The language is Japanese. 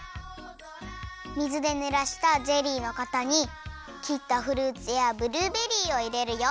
水でぬらしたゼリーのかたにきったフルーツやブルーベリーをいれるよ！